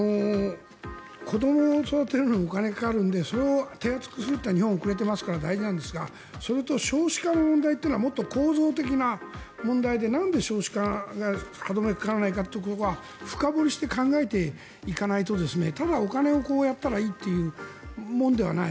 子どもを育てるのにお金がかかるのでそれを手厚くするというのは日本は遅れていますから大事なんですがそれと少子化の問題というのはもっと構造的な問題でなんで少子化に歯止めがかからないかということが深掘りして考えていかないとただ、お金をこうやったらいいというものではない。